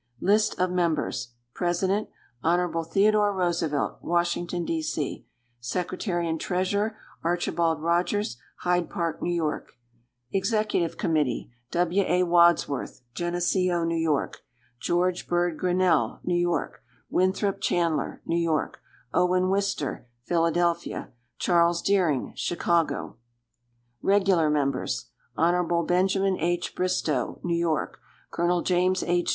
List of Members President. Hon. Theodore Roosevelt, Washington, D. C. Secretary and Treasurer. Archibald Rogers, Hyde Park, N. Y. Executive Committee. W. A. Wadsworth, Geneseo, N. Y. George Bird Grinnell, New York. Winthrop Chanler, New York. Owen Wister, Philadelphia. Charles Deering, Chicago. Regular Members. Hon. Benj. H. Bristow, New York. Col. James H.